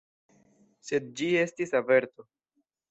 Sed ĝi estis averto.